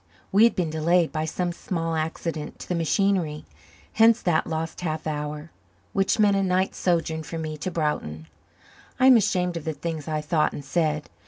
We had been delayed by some small accident to the machinery; hence that lost half hour, which meant a night's sojourn for me in Broughton. I am ashamed of the things I thought and said.